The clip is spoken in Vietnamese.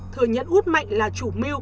thừa nhận út mạnh là chủ miu